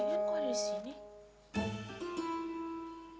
ya will senang